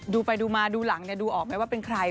ดูไปดูมาดูหลังดูออกไหมว่าเป็นใคร